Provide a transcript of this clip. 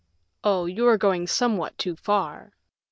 "Oh, you are going somewhat too far."